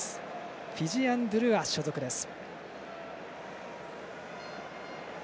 フィジアン・ドゥルア所属です。